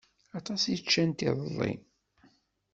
Aṭas i ččant iḍelli.